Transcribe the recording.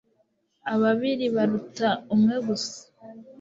ababiri baruta umwe gusa